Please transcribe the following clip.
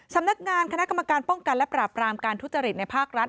สำนักงานคณะกรรมการป้องกันและปราบรามการทุจริตในภาครัฐ